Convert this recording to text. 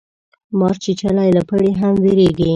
مار چیچلی له پړي هم ویریږي